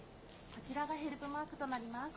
こちらがヘルプマークとなります。